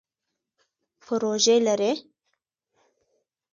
پروژی لرئ؟